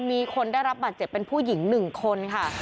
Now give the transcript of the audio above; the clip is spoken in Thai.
มีคนได้รับบาดเจ็บเป็นผู้หญิง๑คนค่ะ